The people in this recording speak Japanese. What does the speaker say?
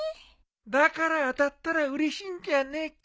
だから当たったらうれしいんじゃねえか。